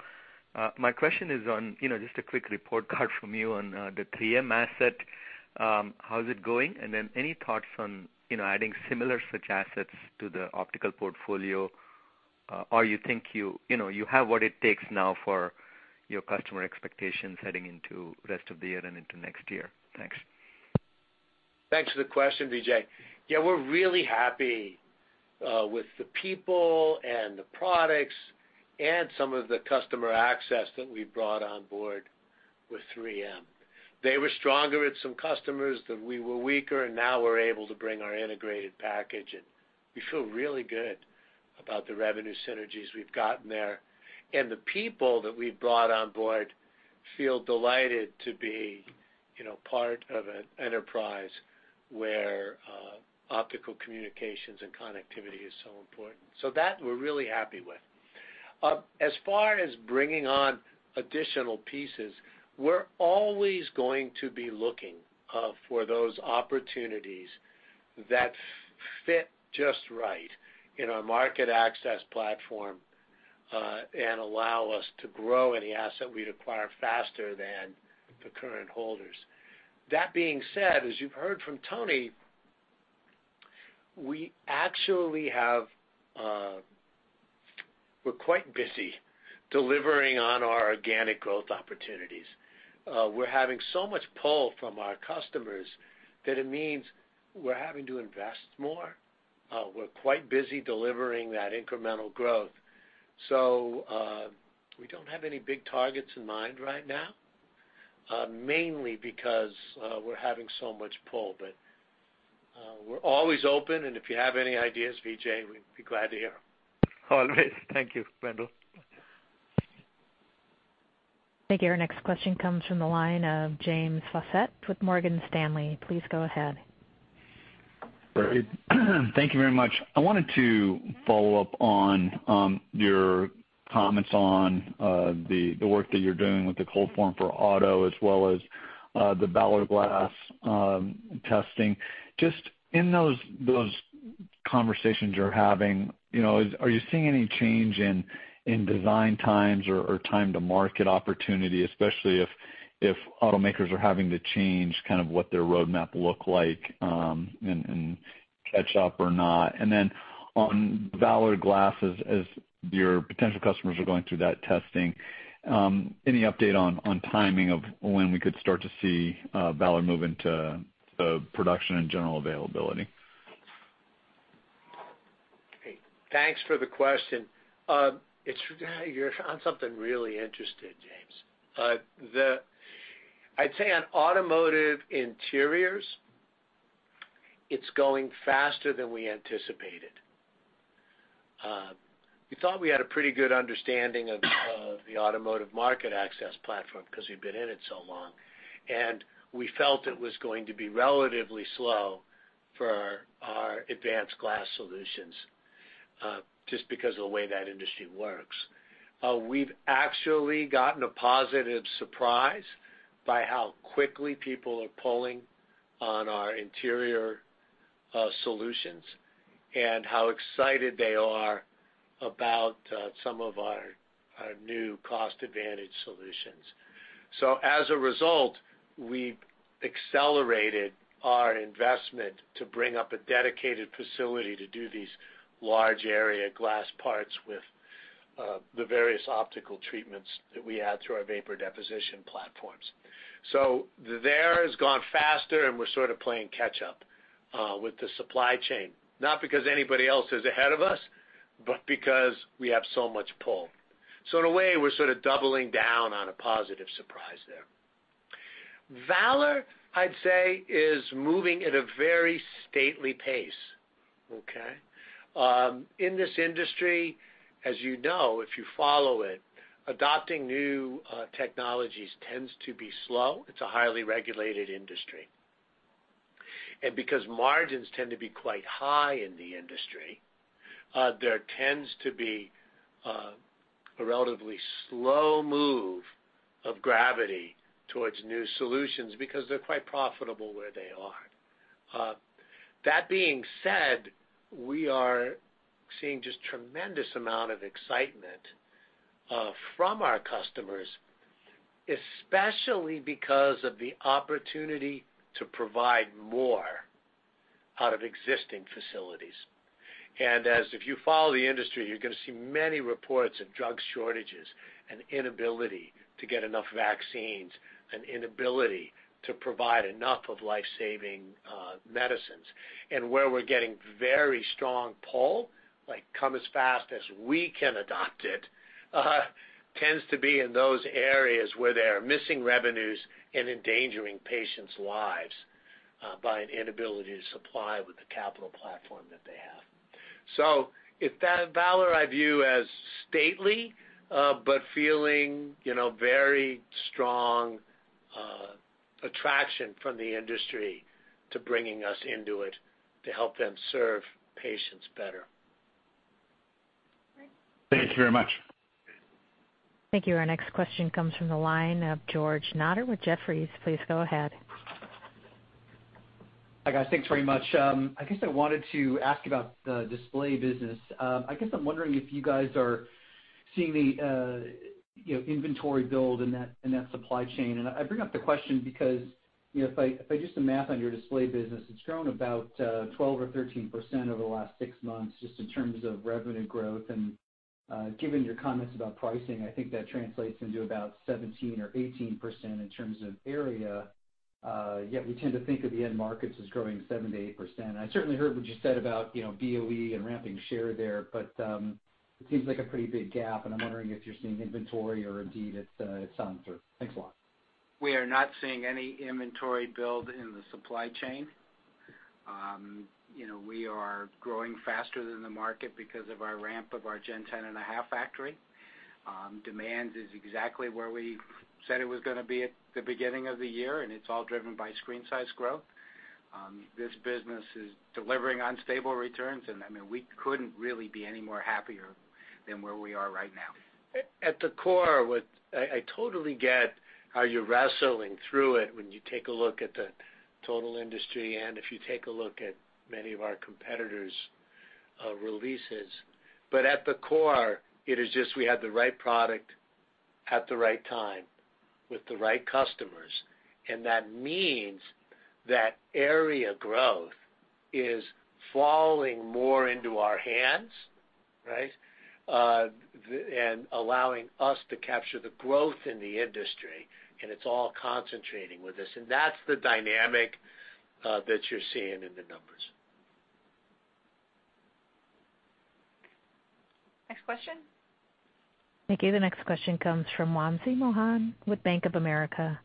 My question is on, just a quick report card from you on the 3M asset. How is it going? Any thoughts on adding similar such assets to the optical portfolio? You think you have what it takes now for your customer expectations heading into rest of the year and into next year? Thanks. Thanks for the question, Vijay. Yeah, we're really happy with the people and the products and some of the customer access that we brought on board with 3M. They were stronger at some customers that we were weaker, now we're able to bring our integrated package and we feel really good about the revenue synergies we've gotten there. The people that we've brought on board feel delighted to be part of an enterprise where optical communications and connectivity is so important. That we're really happy with. As far as bringing on additional pieces, we're always going to be looking for those opportunities that fit just right in our market access platform, allow us to grow any asset we'd acquire faster than the current holders. That being said, as you've heard from Tony, we're quite busy delivering on our organic growth opportunities. We're having so much pull from our customers that it means we're having to invest more. We're quite busy delivering that incremental growth. We don't have any big targets in mind right now, mainly because we're having so much pull. We're always open and if you have any ideas, Vijay, we'd be glad to hear them. All right. Thank you, Wendell. Thank you. Our next question comes from the line of James Faucette with Morgan Stanley. Please go ahead. Thank you very much. I wanted to follow up on your comments on the work that you're doing with the cold form for auto as well as the Valor Glass testing. Just in those conversations you're having, are you seeing any change in design times or time to market opportunity? Especially if automakers are having to change kind of what their roadmap look like, and catch up or not. Then on Valor Glass, as your potential customers are going through that testing, any update on timing of when we could start to see Valor move into production and general availability? Great. Thanks for the question. You're on something really interesting, James. I'd say on automotive interiors, it's going faster than we anticipated. We thought we had a pretty good understanding of the automotive market access platform, because we've been in it so long. We felt it was going to be relatively slow for our advanced glass solutions, just because of the way that industry works. We've actually gotten a positive surprise by how quickly people are pulling on our interior solutions and how excited they are about some of our new cost advantage solutions. As a result, we've accelerated our investment to bring up a dedicated facility to do these large area glass parts with the various optical treatments that we add through our vapor deposition platforms. There has gone faster, we're sort of playing catch up with the supply chain, not because anybody else is ahead of us, but because we have so much pull. In a way, we're sort of doubling down on a positive surprise there. Valor Glass, I'd say, is moving at a very stately pace. Okay? In this industry, as you know, if you follow it, adopting new technologies tends to be slow. It's a highly regulated industry. Because margins tend to be quite high in the industry, there tends to be a relatively slow move of gravity towards new solutions because they're quite profitable where they are. That being said, we are seeing just tremendous amount of excitement from our customers, especially because of the opportunity to provide more out of existing facilities. As if you follow the industry, you're going to see many reports of drug shortages and inability to get enough vaccines and inability to provide enough of life-saving medicines. Where we're getting very strong pull, like come as fast as we can adopt it, tends to be in those areas where they are missing revenues and endangering patients' lives by an inability to supply with the capital platform that they have. Valor Glass I view as stately, but feeling very strong attraction from the industry to bringing us into it to help them serve patients better. Great. Thank you very much. Thank you. Our next question comes from the line of George Notter with Jefferies. Please go ahead. Hi, guys. Thanks very much. I guess I wanted to ask about the Display business. I guess I'm wondering if you guys are seeing the inventory build in that supply chain. I bring up the question because, if I do some math on your Display business, it's grown about 12% or 13% over the last 6 months just in terms of revenue growth. Given your comments about pricing, I think that translates into about 17% or 18% in terms of area. Yet we tend to think of the end markets as growing 7% to 8%. I certainly heard what you said about BOE and ramping share there. It seems like a pretty big gap, and I'm wondering if you're seeing inventory or indeed it's something. Thanks a lot. We are not seeing any inventory build in the supply chain. We are growing faster than the market because of our ramp of our Gen 10.5 factory. Demand is exactly where we said it was going to be at the beginning of the year. It's all driven by screen size growth. This business is delivering on stable returns. We couldn't really be any more happier than where we are right now. At the core, I totally get how you're wrestling through it when you take a look at the total industry, if you take a look at many of our competitors' releases. At the core, it is just we have the right product at the right time with the right customers. That means that area growth is falling more into our hands, right, allowing us to capture the growth in the industry. It's all concentrating with us. That's the dynamic that you're seeing in the numbers. Next question. Thank you. The next question comes from Wamsi Mohan with Bank of America.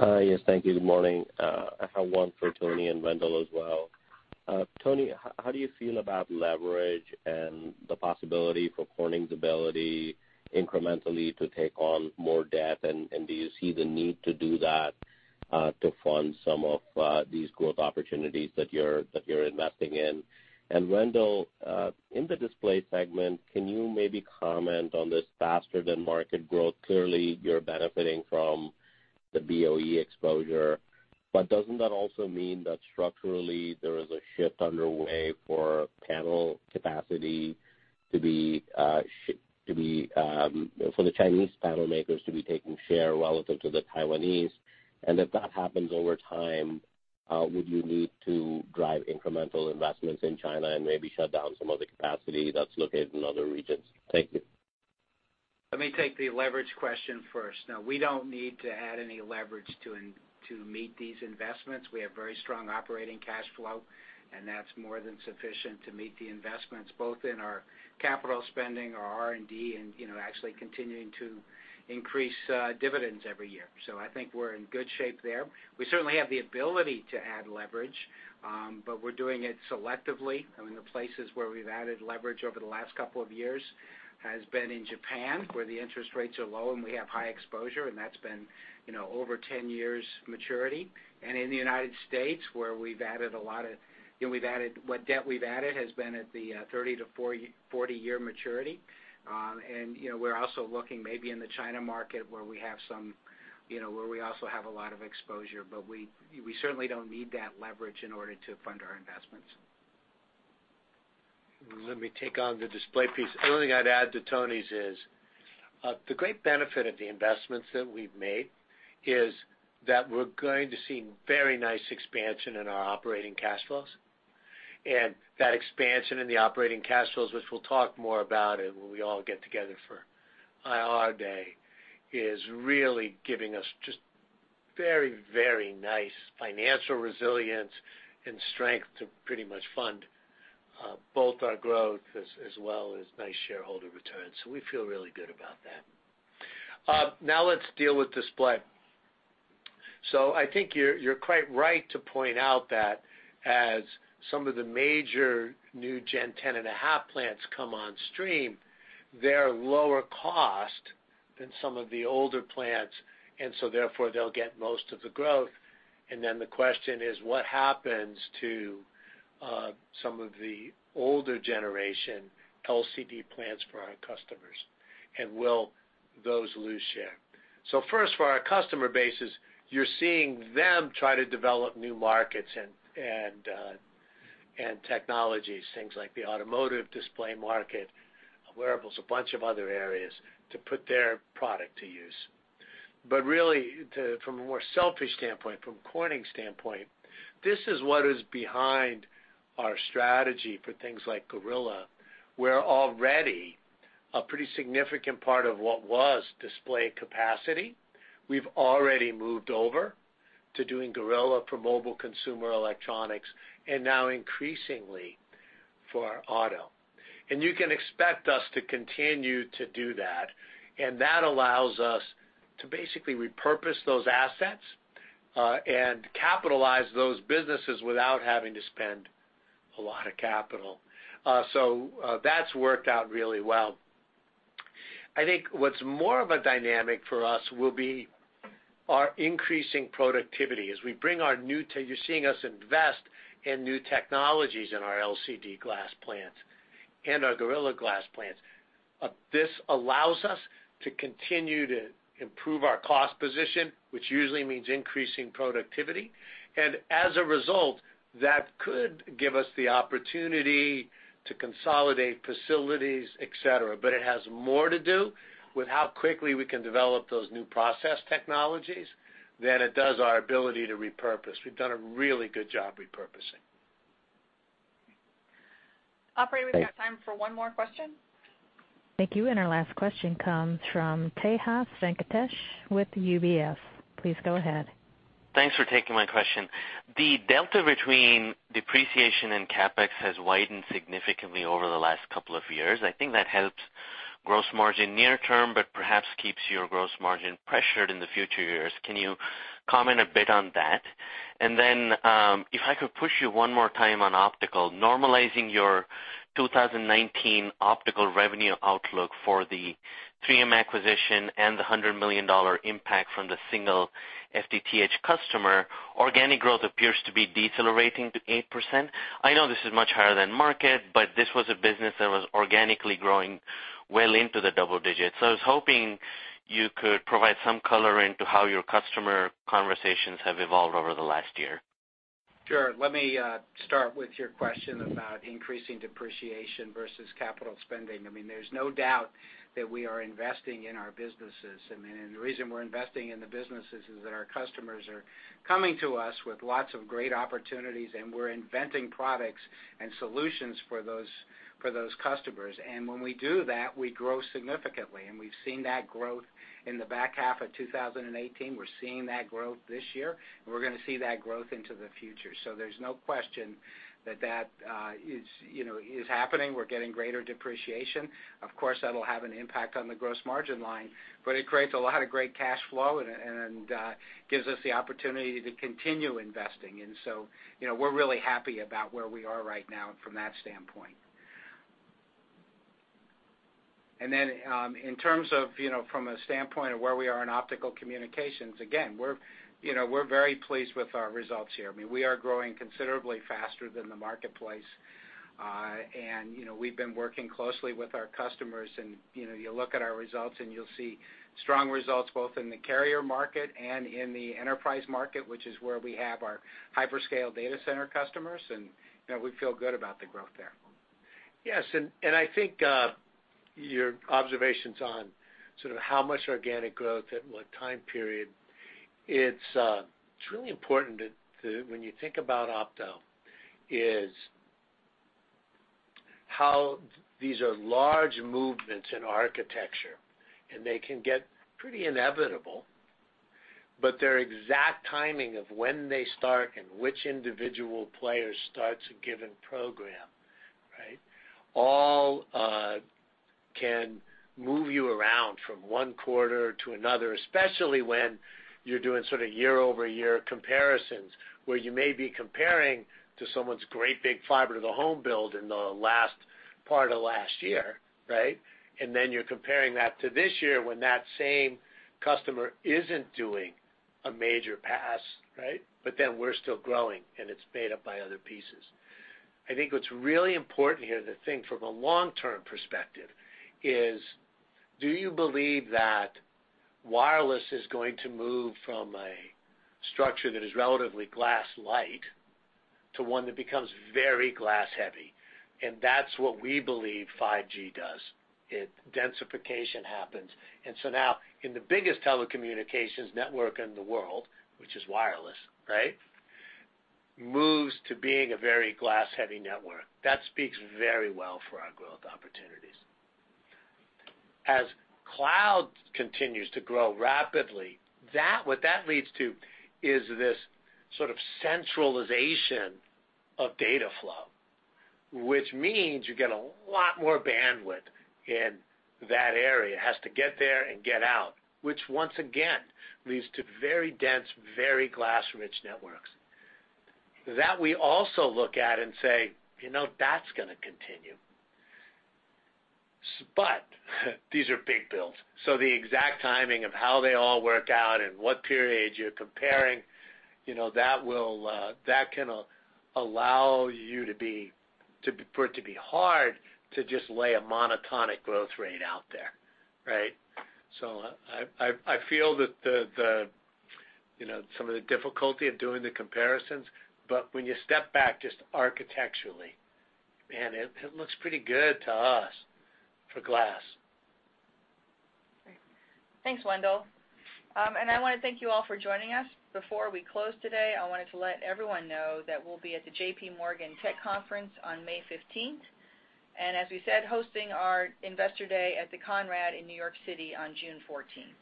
Yes. Thank you. Good morning. I have one for Tony and Wendell as well. Tony, how do you feel about leverage and the possibility for Corning's ability incrementally to take on more debt? Do you see the need to do that to fund some of these growth opportunities that you're investing in? Wendell, in the display segment, can you maybe comment on this faster-than-market growth? Clearly, you're benefiting from the BOE exposure. Doesn't that also mean that structurally there is a shift underway for panel capacity, for the Chinese panel makers to be taking share relative to the Taiwanese? If that happens over time, would you need to drive incremental investments in China and maybe shut down some of the capacity that's located in other regions? Thank you. Let me take the leverage question first. No, we don't need to add any leverage to meet these investments. We have very strong operating cash flow, and that's more than sufficient to meet the investments, both in our capital spending, our R&D, and actually continuing to increase dividends every year. I think we're in good shape there. We certainly have the ability to add leverage, but we're doing it selectively. The places where we've added leverage over the last couple of years has been in Japan, where the interest rates are low, and we have high exposure, and that's been over 10 years maturity. In the United States, what debt we've added has been at the 30 to 40-year maturity. We're also looking maybe in the China market where we also have a lot of exposure. We certainly don't need that leverage in order to fund our investments. Let me take on the Display piece. The only thing I'd add to Tony's is. The great benefit of the investments that we've made is that we're going to see very nice expansion in our operating cash flows. That expansion in the operating cash flows, which we'll talk more about it when we all get together for our IR day, is really giving us just very nice financial resilience and strength to pretty much fund both our growth as well as nice shareholder returns. We feel really good about that. Let's deal with Display. I think you're quite right to point out that as some of the major new Gen 10.5 plants come on stream, they're lower cost than some of the older plants. Therefore, they'll get most of the growth. The question is, what happens to some of the older generation LCD plants for our customers, and will those lose share? First, for our customer bases, you're seeing them try to develop new markets and technologies, things like the automotive Display market, wearables, a bunch of other areas to put their product to use. Really, from a more selfish standpoint, from Corning's standpoint, this is what is behind our strategy for things like Gorilla, where already a pretty significant part of what was Display capacity, we've already moved over to doing Gorilla for mobile consumer electronics and now increasingly for auto. You can expect us to continue to do that, and that allows us to basically repurpose those assets, and capitalize those businesses without having to spend a lot of capital. That's worked out really well. I think what's more of a dynamic for us will be our increasing productivity as we bring our new tech. You're seeing us invest in new technologies in our LCD glass plants and our Gorilla Glass plants. This allows us to continue to improve our cost position, which usually means increasing productivity, and as a result, that could give us the opportunity to consolidate facilities, et cetera. It has more to do with how quickly we can develop those new process technologies than it does our ability to repurpose. We've done a really good job repurposing. Operator, we've got time for one more question. Thank you. Our last question comes from Tejas Venkatesh with UBS. Please go ahead. Thanks for taking my question. The delta between depreciation and CapEx has widened significantly over the last couple of years. I think that helps gross margin near term, but perhaps keeps your gross margin pressured in the future years. Can you comment a bit on that? Then, if I could push you one more time on optical, normalizing your 2019 optical revenue outlook for the 3M acquisition and the $100 million impact from the single FTTH customer, organic growth appears to be decelerating to 8%. I know this is much higher than market, but this was a business that was organically growing well into the double digits. I was hoping you could provide some color into how your customer conversations have evolved over the last year. Sure. Let me start with your question about increasing depreciation versus capital spending. There's no doubt that we are investing in our businesses. The reason we're investing in the businesses is that our customers are coming to us with lots of great opportunities, and we're inventing products and solutions for those customers. When we do that, we grow significantly. We've seen that growth in the back half of 2018. We're seeing that growth this year. We're gonna see that growth into the future. There's no question that that is happening. We're getting greater depreciation. Of course, that'll have an impact on the gross margin line, but it creates a lot of great cash flow and gives us the opportunity to continue investing. So, we're really happy about where we are right now from that standpoint. Then, in terms of from a standpoint of where we are in Optical Communications, again, we're very pleased with our results here. We are growing considerably faster than the marketplace. We've been working closely with our customers, and you look at our results, and you'll see strong results both in the carrier market and in the enterprise market, which is where we have our hyperscale data center customers, and we feel good about the growth there. Yes. I think your observations on sort of how much organic growth at what time period, it's really important when you think about opto is how these are large movements in architecture, and they can get pretty inevitable, but their exact timing of when they start and which individual player starts a given program, right, all can move you around from one quarter to another, especially when you're doing year-over-year comparisons where you may be comparing to someone's great big fiber to the home build in the last part of last year, right? Then you're comparing that to this year when that same customer isn't doing a major pass, right? Then we're still growing, and it's made up by other pieces. I think what's really important here to think from a long-term perspective is, do you believe that wireless is going to move from a structure that is relatively glass light to one that becomes very glass-heavy. That's what we believe 5G does. Densification happens. Now in the biggest telecommunications network in the world, which is wireless, right, moves to being a very glass-heavy network. That speaks very well for our growth opportunities. As cloud continues to grow rapidly, what that leads to is this sort of centralization of data flow, which means you get a lot more bandwidth in that area. It has to get there and get out, which once again, leads to very dense, very glass-rich networks. That we also look at and say, "You know, that's going to continue." These are big builds, so the exact timing of how they all work out and what periods you're comparing, that can allow you for it to be hard to just lay a monotonic growth rate out there, right? I feel that some of the difficulty of doing the comparisons, when you step back just architecturally, man, it looks pretty good to us for glass. Great. Thanks, Wendell. I want to thank you all for joining us. Before we close today, I wanted to let everyone know that we'll be at the J.P. Morgan Tech Conference on May 15th, and as we said, hosting our Investor Day at the Conrad in New York City on June 14th.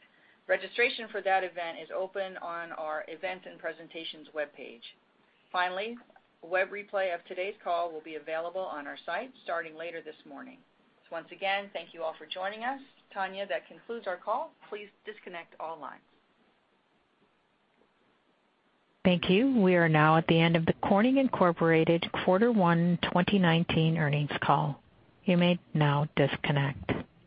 Registration for that event is open on our events and presentations webpage. Finally, a web replay of today's call will be available on our site starting later this morning. Once again, thank you all for joining us. Tanya, that concludes our call. Please disconnect all lines. Thank you. We are now at the end of the Corning Incorporated Quarter 1 2019 earnings call. You may now disconnect.